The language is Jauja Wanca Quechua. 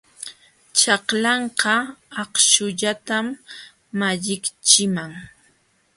Chaklanka akśhullatam malliqchiman.